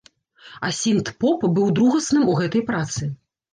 А сінт-поп быў другасным у гэтай працы.